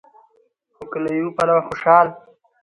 خو که له يوه پلوه خوشال